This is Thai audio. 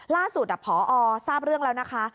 ล่าสุดพอทราบเรื่องแล้วนะคะ